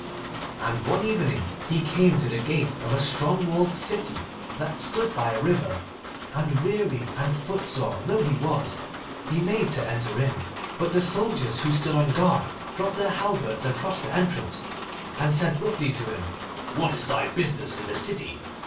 And one evening he came to the gate of a strong walled city that stood by a river, and, weary and footsore though he was, he made to enter in. But the soldiers who stood on guard dropped their halberts across the entrance, and said roughly to him, 'What is thy business in the city?